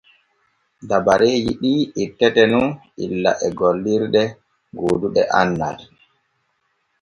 Dabareeji ɗi ettete nun illa e gollorɗe gooduɗe andal.